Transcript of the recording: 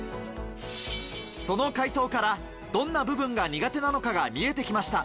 その解答からどんな部分が苦手なのか見えてきました。